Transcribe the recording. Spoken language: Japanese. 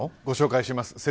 ご紹介します。